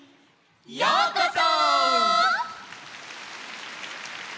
ようこそ！